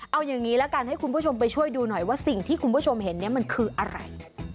เอาอย่างนี้ละกันให้คุณผู้ชมไปช่วยดูหน่อยว่าสิ่งที่คุณผู้ชมเห็นเนี่ยมันคืออะไร